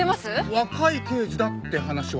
若い刑事だって話は。